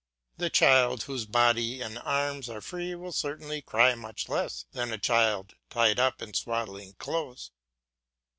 The child whose body and arms are free will certainly cry much less than a child tied up in swaddling clothes.